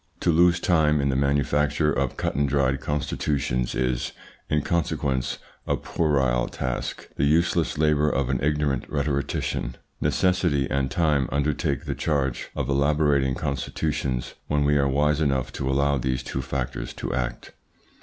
To lose time in the manufacture of cut and dried constitutions is, in consequence, a puerile task, the useless labour of an ignorant rhetorician. Necessity and time undertake the charge of elaborating constitutions when we are wise enough to allow these two factors to act.